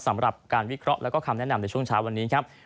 สำหรับการวิเคราะห์แล้วก็คำแนะนำในช่วงเช้าวันนี้ครับ